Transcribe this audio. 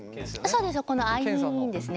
そうです。